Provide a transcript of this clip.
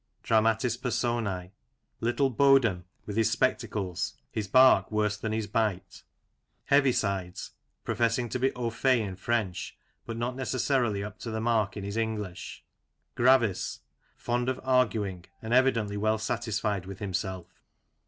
Dramatis Personce : Little Boden (with his spectacles — his bark worse than his bite). Heavisides (professing to be au fait in French, but not necessarily up to the mark in his English). Gravis (fond of arguing, and evidently well satisfied with himself).